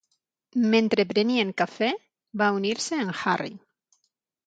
Mentre prenien cafè, va unir-se en Harry.